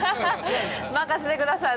任せてください。